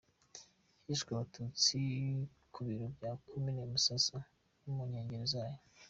Hishwe Abatutsi ku biro bya komine Musasa no mu nkengero zayo.